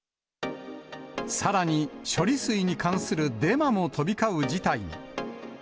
さらに、処理水に関するデマも飛び交う事態に。